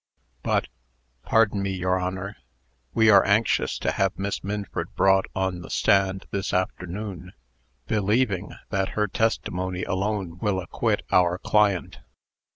"But pardon me, your Honor we are anxious to have Miss Minford brought on the stand this afternoon, believing, that her testimony alone will acquit our client."